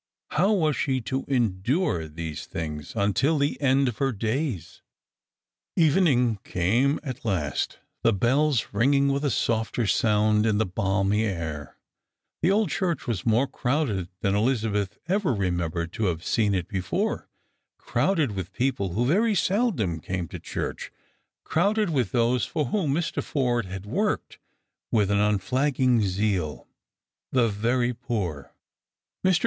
How was she to endure these things until the end of her days ? Evening came at last : the bells ringing with a soft^i sound in the balmy air. The old church was more crowded than Elizabeth ever remembered to have boca it before, crowded with Strangers and Pilgrims. 231 people who very eeldom came to church, crowded with those for whom Mr. Forde had worked with an unflagging zeal — tLa very prior. Mr.